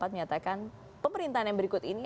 menyatakan pemerintahan yang berikut ini